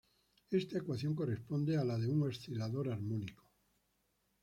Esta ecuación corresponde a la de un oscilador armónico.